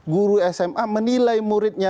guru sma menilai muridnya